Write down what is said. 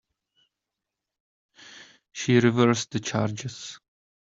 She reversed the charges.